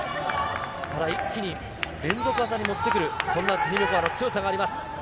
ただ一気に連続技に持ってくる、そんなティニベコワの強さがあります。